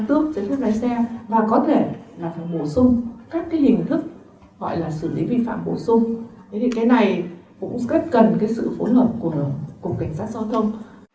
thế thì cái này cũng rất gần sự phối luận của cảnh sát giao thông